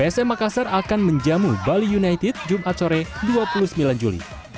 psm makassar akan menjamu bali united jumat sore dua puluh sembilan juli